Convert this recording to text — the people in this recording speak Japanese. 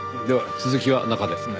では続きは中で。